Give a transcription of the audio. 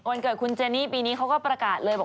วันเกิดฮุนเจนี่ปีนี้เค้าก็ประกาศ